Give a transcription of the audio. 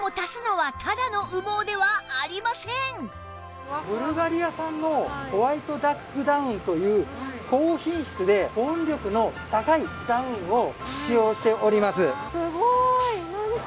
しかもブルガリア産のホワイトダックダウンという高品質で保温力の高いダウンを使用しております。